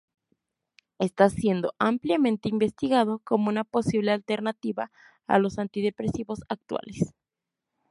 Está siendo ampliamente investigado como una posible alternativa a los antidepresivos actuales.